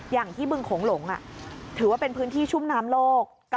อย่างที่บึงโขงหลงถือว่าเป็นพื้นที่ชุ่มน้ำโลก